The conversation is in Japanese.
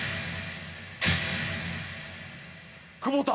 久保田。